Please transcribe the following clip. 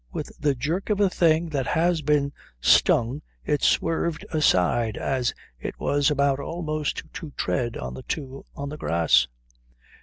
With the jerk of a thing that has been stung it swerved aside as it was about almost to tread on the two on the grass.